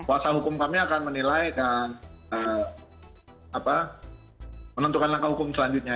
kuasa hukum kami akan menilai dan menentukan langkah hukum selanjutnya